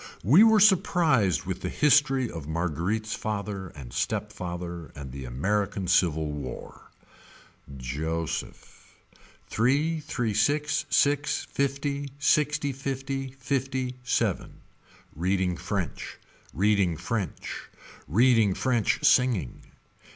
We were surprised with the history of Marguerite's father and step father and the American Civil War. Joseph. Three three six, six, fifty, six fifty, fifty, seven. Reading french. Reading french. Reading french singing.